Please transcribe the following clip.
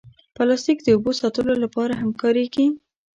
پلاستيک د اوبو ساتلو لپاره هم کارېږي.